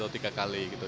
tiga kali gitu